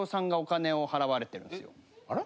あら？